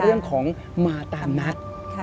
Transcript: เรื่องของมาตามนัด